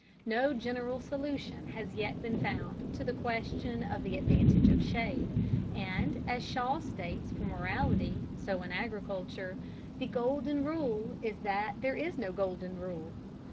No general solution has yet been found to the question of the advantage of shade, and, as Shaw states for morality, so in agriculture, "the golden rule is that there is no golden rule."